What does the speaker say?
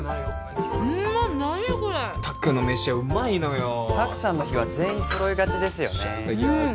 うまっ何これ拓の飯はうまいのよ拓さんの日は全員揃いがちですよね